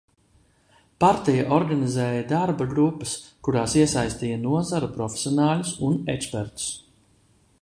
Partija organizēja darba grupas, kurās iesaistīja nozaru profesionāļus un ekspertus.